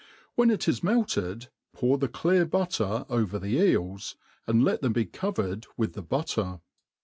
When it is melted pour the clear butter over the eels, and let them be covered with the butter.